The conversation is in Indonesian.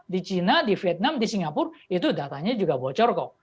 di china di vietnam di singapura itu datanya juga bocor kok